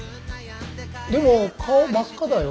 でも顔真っ赤だよ。